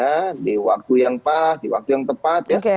ya di waktu yang pas di waktu yang tepat ya